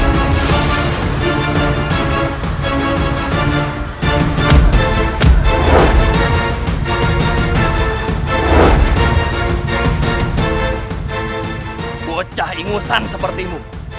baiklah kalau itu keinginanmu